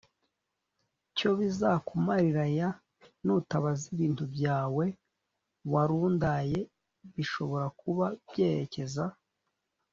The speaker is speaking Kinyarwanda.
cyo bizakumarira y Nutabaza ibintu byawe warundaYe Bishobora kuba byerekeza